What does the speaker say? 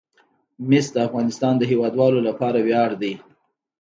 مس د افغانستان د هیوادوالو لپاره ویاړ دی.